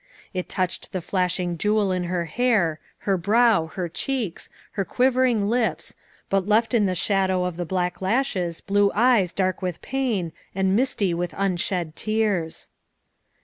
It touched the flashing jewel in her hair, her brow, her cheeks, her quivering lips, but left in the shadow of the black lashes blue eyes dark with pain and misty with unshed tears.